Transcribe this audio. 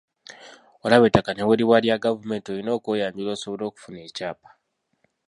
Olaba ettaka ne bwe liba lya gavumenti olina okweyanjula osobole okufuna ekyapa.